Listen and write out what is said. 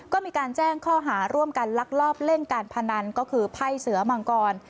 ก็มีการแจ้งข้อหาร่วมกันลักลอบเล่นการพนันก็คือไพ่เสือมังกร